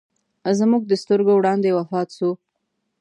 زموږ د سترګو وړاندې وفات سو.